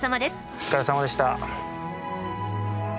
お疲れさまでした。